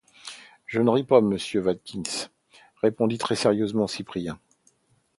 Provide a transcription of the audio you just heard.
Je ne ris pas, monsieur Watkins! répondit très sérieusement Cyprien.